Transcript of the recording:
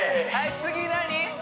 次何？